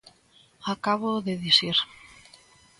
Acáboo de dicir.